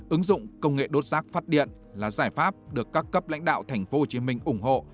ứng dụng công nghệ đốt rác phát điện là giải pháp được các cấp lãnh đạo tp hcm ủng hộ